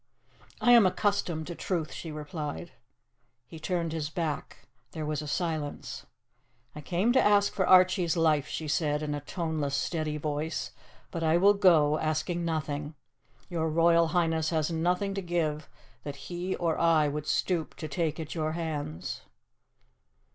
"I am accustomed to truth," she replied. He turned his back. There was a silence. "I came to ask for Archie's life," she said, in a toneless, steady voice, "but I will go, asking nothing. Your Royal Highness has nothing to give that he or I would stoop to take at your hands."